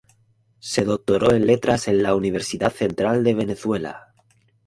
Se doctoró en letras en la Universidad Central de Venezuela.